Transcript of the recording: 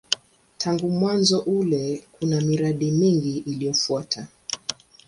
Tangu mwanzo ule kuna miradi mingi iliyofuata.